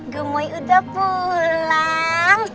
gemoy udah pulang